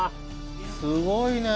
すごいね。